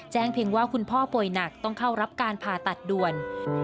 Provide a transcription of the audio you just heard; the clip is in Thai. เพียงว่าคุณพ่อป่วยหนักต้องเข้ารับการผ่าตัดด่วน